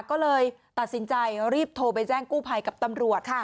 ก็เลยตัดสินใจรีบโทรไปแจ้งกู้ภัยกับตำรวจค่ะ